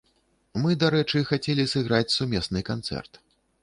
Мы, дарэчы, хацелі сыграць сумесны канцэрт.